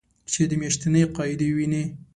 چې د میاشتنۍ قاعدې وینې